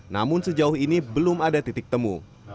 namun sejauh ini belum ada titik temu